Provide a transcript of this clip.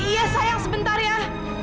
iya sayang sebentar ya